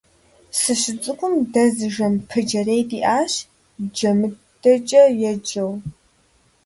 СыщыцӀыкум, дэ зы жэм пыджэрей диӀащ, ДжэмыдэкӀэ еджэу.